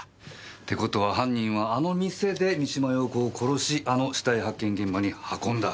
って事は犯人はあの店で三島陽子を殺しあの死体発見現場に運んだ。